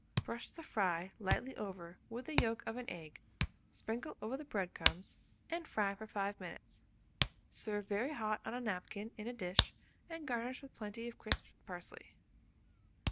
Brush the fry lightly over with the yolk of an egg, sprinkle over the bread crumbs, and fry for 5 minutes. Serve very hot on a napkin in a dish, and garnish with plenty of crisped parsley.